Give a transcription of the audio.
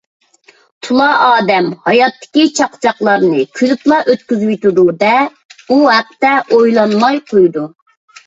تولا ئادەم ھاياتتىكى چاقچاقلارنى كۈلۈپلا ئۆتكۈزۈۋېتىدۇ ـ دە، ئۇ ھەقتە ئويلانماي قويىدۇ.